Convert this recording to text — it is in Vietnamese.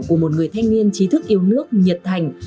của một người thanh niên trí thức yêu nước nhật thành